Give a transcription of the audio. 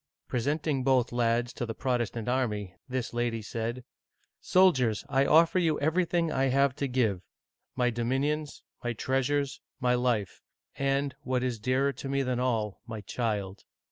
Presenting both lads to the Protestant army, this lady said: "Soldiers, I offer you everything I have to give — my dominions, my treasures, my life, and, what is dearer to me than all, my child.